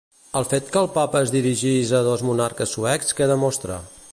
El fet que el Papa es dirigís a dos monarques suecs, què demostra?